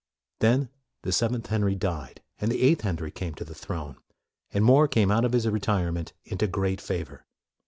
Then the seventh Henry died, and the eighth Henry came to the throne, and More came out of his retirement into great favor.